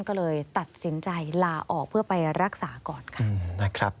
ก็เลยตัดสินใจลาออกเพื่อไปรักษาก่อนค่ะนะครับ